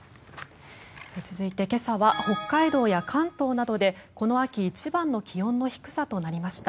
続いて今朝は北海道や関東などでこの秋一番の気温の低さとなりました。